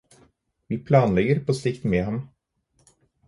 Vi planlegger på sikt med ham.